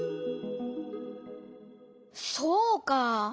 そうかあ！